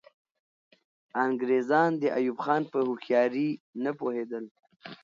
انګریزان د ایوب خان په هوښیاري نه پوهېدل.